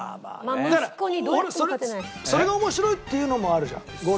それが面白いっていうのもあるじゃんゴルフは。